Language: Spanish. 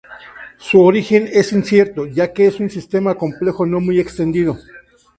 Su origen es incierto, ya que es un sistema complejo no muy extendido.